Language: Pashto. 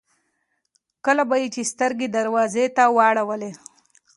کله به يې سترګې دروازې ته واړولې.